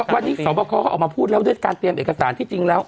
วันนี้สอบประคอเขาออกมาพูดแล้วด้วยการเตรียมเอกสารที่จริงแล้ว